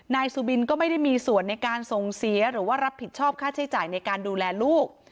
นายสุบินก็ไม่ได้มีส่วนในการส่งเสียหรือว่ารับผิดชอบค่าใช้จ่ายในการดูแลลูก